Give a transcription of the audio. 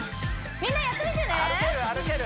みんなやってみてね歩ける？